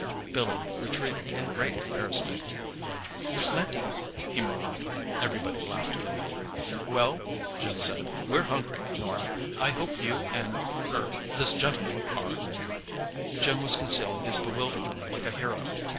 Billy retreated in great embarrassment. "Plenty!" he murmured. Everybody laughed again. "Well," Jim said, "we're hungry, Norah. I hope you and—er—this gentleman are." Jim was concealing his bewilderment like a hero.